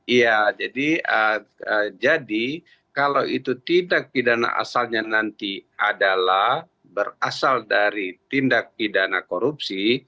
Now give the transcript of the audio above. iya jadi kalau itu tindak pidana asalnya nanti adalah berasal dari tindak pidana korupsi